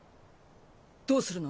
どうするの？